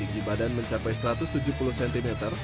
tinggi badan mencapai satu ratus tujuh puluh cm